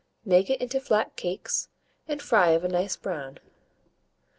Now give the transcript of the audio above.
Make it into flat cakes, and fry of a nice brown.